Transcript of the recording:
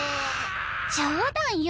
冗談よ。